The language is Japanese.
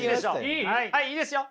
はいいいですよ。